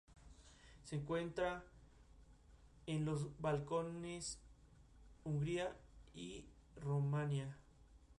Se encuentra en los Balcanes, Hungría y Rumania.